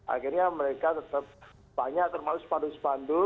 akhirnya mereka tetap banyak termalui sepandu sepandu